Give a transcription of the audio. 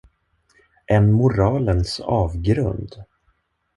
En moralens avgrund.